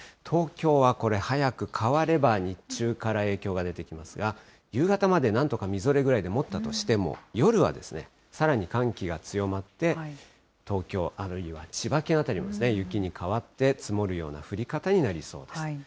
東京はこれ、早く変われば日中から影響が出てきますが、夕方まで、なんとかみぞれぐらいで持ったとしても、夜はですね、さらに寒気が強まって、東京、あるいは千葉県辺りも雪に変わって、積もるような降り方になりそうです。